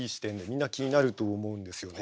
みんな気になると思うんですよね。